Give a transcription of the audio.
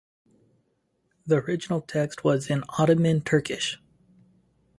The original text was in Ottoman Turkish.